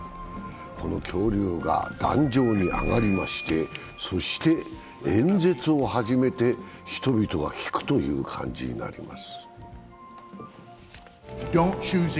この恐竜が壇上に上がりましてそして演説を始めて、人々は聞くという感じになります。